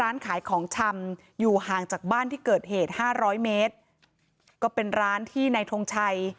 นายทงชัยไปฆ่าพี่เคยตาย